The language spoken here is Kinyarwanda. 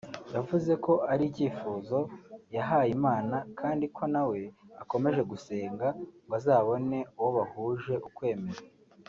yavuze ko ari icyifuzo yahaye Imana kandi ko nawe akomeje gusenga ngo azabone uwo bahuje ukwemera